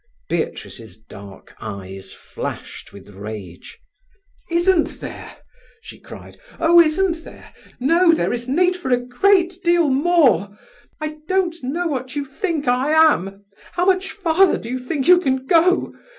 Beatrice's dark eyes flashed with rage. "Isn't there!" she cried. "Oh, isn't there? No, there is need for a great deal more. I don't know what you think I am. How much farther do you think you can go?